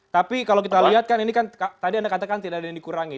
tapi kalau kita lihat kan ini kan tadi anda katakan tidak ada yang dikurangi